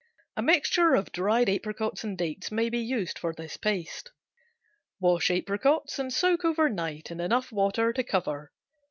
A mixture of dried apricots and dates may be used for this paste. Wash apricots and soak over night in enough water to cover.